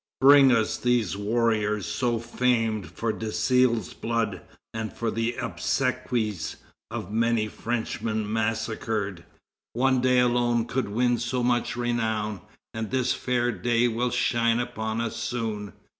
Bring us these warriors so famed For Desilles' blood, and for the obsequies Of many Frenchmen massacred... One day alone could win so much renown, And this fair day will shine upon us soon!